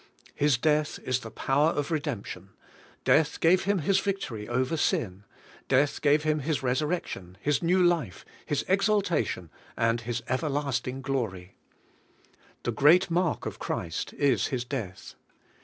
His death is the power of redemption; death gave Him His victory over sin; death gave Him His resur rection. His new life. His exaltation, and His ever lasting glor}^ The great mark of Christ is His death.